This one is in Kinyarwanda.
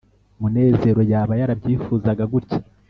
munezero yaba yarabyifuzaga gutya